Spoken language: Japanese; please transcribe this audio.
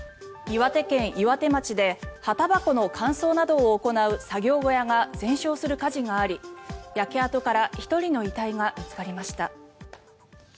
岩手県岩手町で葉タバコの乾燥などを行う作業小屋が全焼する火事があり、焼け跡から１人の遺体が見つかりました。